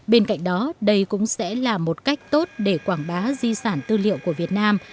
bên cạnh đó đây cũng sẽ là một cách tốt để quảng bá di sản tư liệu của việt nam